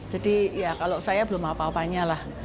jadi ya kalau saya belum apa apanya lah